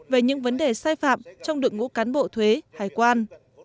về những vấn đề sai phạm trong đội ngũ cán bộ thuế hải quan